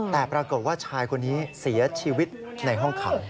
แต่ปรากฏว่าชายคนนี้เสียชีวิตในห้องขัง